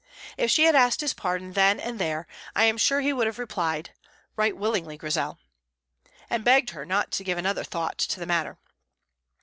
If she had asked his pardon then and there, I am sure he would have replied, "Right willingly, Grizel," and begged her not to give another thought to the matter.